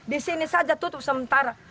di sini saja tutup sementara